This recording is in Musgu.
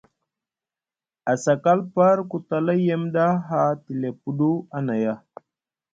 Asakal par ku tala yem ɗa haa tile puɗu, a naya.